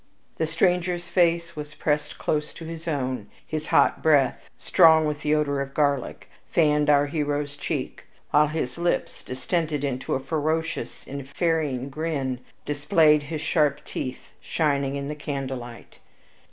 The stranger's face was pressed close to his own. His hot breath, strong with the odor of garlic, fanned our hero's cheek, while his lips, distended into a ferocious and ferine grin, displayed his sharp teeth shining in the candlelight.